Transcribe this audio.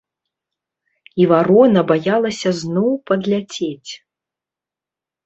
І варона баялася зноў падляцець.